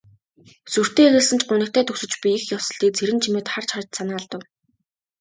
Сүртэй эхэлсэн ч гунигтай төгсөж буй их ёслолыг Цэрэнчимэд харж харж санаа алдав.